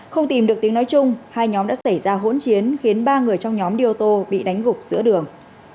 không tìm được tiếng nói chung hai nhóm đã xảy ra hỗn chiến khiến ba người trong nhóm đi ô tô bị đánh gục giữa đường